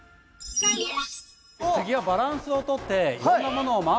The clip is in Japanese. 次はバランスを取っていろんなものを回す。